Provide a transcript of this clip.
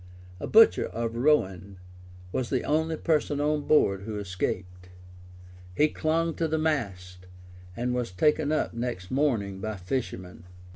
A butcher of Rouen was the only person on board who escaped:[*] he clung to the mast, and was taken up next morning by fishermen.